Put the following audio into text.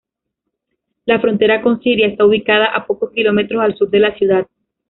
La frontera con Siria está ubicada a pocos kilómetros al sur de la ciudad.